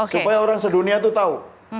supaya orang sedunia itu tahu